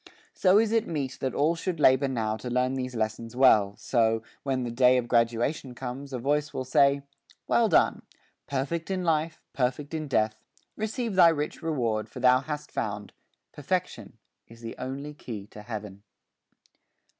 So is it meet that all should labor now To learn these lessons well, so, when the day Of graduation comes, a Voice will say: Well done; perfect in life, perfect in death; Receive thy rich reward, for thou hast found Perfection is the only key to Heaven.